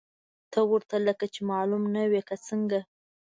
ته ورته لکه چې معلوم نه وې، که څنګه!؟